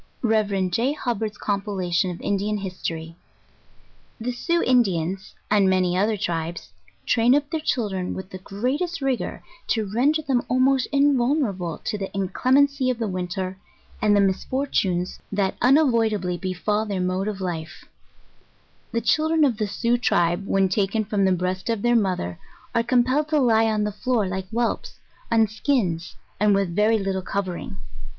Rev. J. Hubbard's compilation of Indian History. The Sioux Indians, and many other tribes, train up their chil dren with the greatest rigour to render them almost invulner able to the inclemency of the winter, and the misfortunes that unavoidably befal their mode of life: The children of the Sioux tribe, when taken from the breast of their mother are compelled to lie on the floor like whelps, on skins, and with very liitle covering.